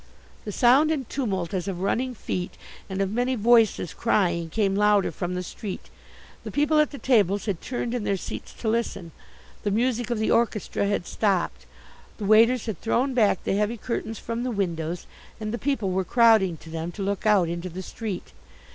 The sound and tumult as of running feet and of many voices crying came louder from the street. The people at the tables had turned in their seats to listen. The music of the orchestra had stopped. The waiters had thrown back the heavy curtains from the windows and the people were crowding to them to look out into the street.